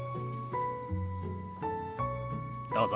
どうぞ。